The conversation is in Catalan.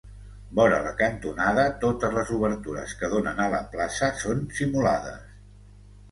Vora la cantonada totes les obertures que donen a la plaça són simulades.